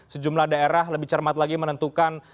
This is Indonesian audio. sejumlah daerah lebih cermat lagi menentukan